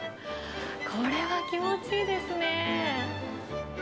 これは気持ちいいですね。